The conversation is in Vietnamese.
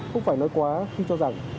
không phải nói quá khi cho rằng